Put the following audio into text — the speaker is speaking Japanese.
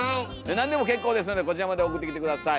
何でも結構ですのでこちらまで送ってきて下さい。